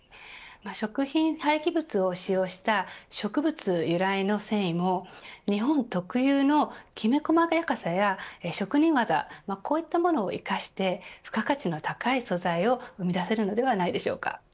食品廃棄物を使用した植物由来の繊維も日本特有のきめ細やかさや職人技こういったものを生かして付加価値の高い素材を生み出せるのではないでしょうか。